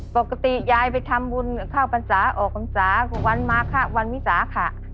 ปกติยายไปทำบุญเข้าพรรษาออกพรรษาวันมาคะวันวิสาขะ